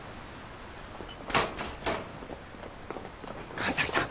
神崎さん